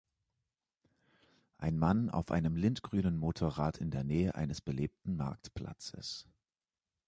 Ein Mann auf einem lindgrünen Motorrad in der Nähe eines belebten Marktplatzes.